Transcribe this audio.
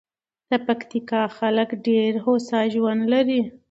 د پکتیکا خلک ډېر هوسا ژوند لري.